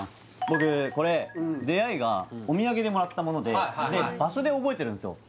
僕これ出会いがお土産でもらったもので場所で覚えてるんですよ